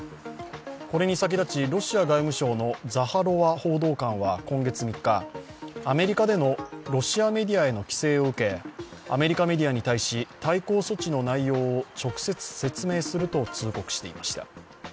これに先立ち、ロシア外務省のザハロワ報道官は今月３日、アメリカでのロシアメディアへの規制を受け、アメリカメディアに対し、対抗措置の内容を直接説明すると通告していました。